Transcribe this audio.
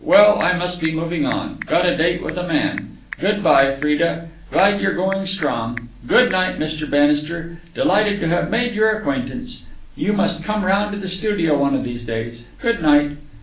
Well, I must be moving on. Got a date with a man. Goodbye, Freda. Glad you're going strong. Good night, Mr. Bannister. Delighted to have made your acquaintance. You must come round to the studio one of these days. Good night."